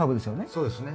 そうですね。